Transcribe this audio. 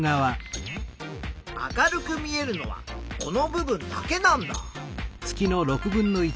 明るく見えるのはこの部分だけなんだ。